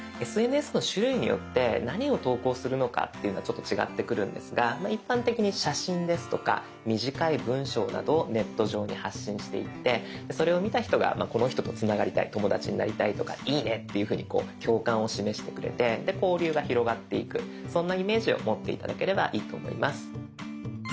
ＳＮＳの種類によって何を投稿するのかというのは違ってくるんですが一般的に写真ですとか短い文章などをネット上に発信していってそれを見た人がこの人とつながりたい友だちになりたいとかいいねっていうふうに共感を示してくれて交流が広がっていくそんなイメージを持って頂ければいいと思います。